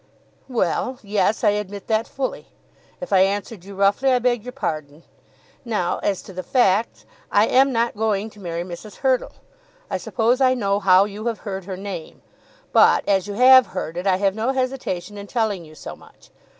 "Well; yes; I admit that fully. If I answered you roughly, I beg your pardon. Now as to the facts. I am not going to marry Mrs. Hurtle. I suppose I know how you have heard her name; but as you have heard it, I have no hesitation in telling you so much.